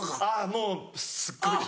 もうすっごいです。